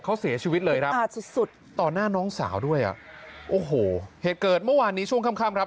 เขาเสียชีวิตเลยครับขาดสุดสุดต่อหน้าน้องสาวด้วยอ่ะโอ้โหเหตุเกิดเมื่อวานนี้ช่วงค่ำค่ำครับ